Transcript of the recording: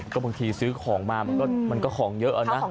ก็บางทีซื้อของมามันก็ของเยอะนะ